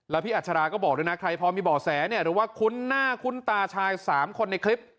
แล้วพี่อัชราก็บอกด้วยนะใครพอมีบ่อแสเนี่ยหรือว่าคุ้นหน้าคุ้นตาชาย๓คนในคลิป